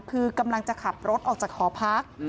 คือกำลังจะขับรถออกจากหอพัก